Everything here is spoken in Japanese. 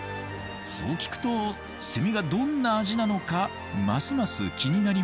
そう聞くとセミがどんな味なのかますます気になりますよね。